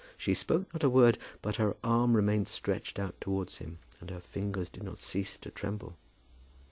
She spoke not a word; but her arm remained stretched out towards him, and her fingers did not cease to tremble.